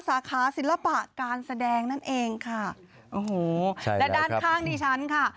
สาขาศิลปะการแสดงนั่นเองค่ะโอ้โหและด้านข้างดิฉันค่ะ